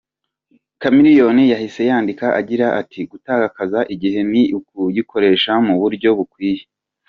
Chameleone yahise yandika agira ati, “gutakaza igihe ni ukugikoresha mu buryo bukwiye.